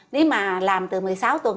nếu mà làm từ một mươi sáu tuần